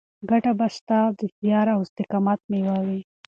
ګټه به ستا د زیار او استقامت مېوه وي.